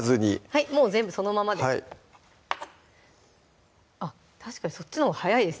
はいもう全部そのままであっ確かにそっちのほうが早いですね